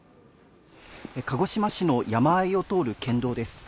鹿児島市の山あいを通る県道です。